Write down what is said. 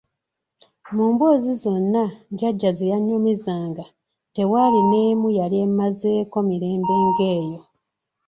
Mu mboozi zonna Jjajja ze yannyumizanga tewaali n'emu yali emmazeeko mirembe ng'eyo!